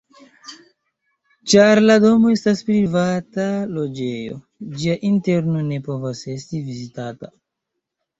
Ĉar la domo estas privata loĝejo, ĝia interno ne povas esti vizitata.